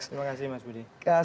terima kasih mas udi